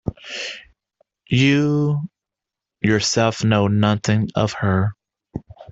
You yourself know nothing of her.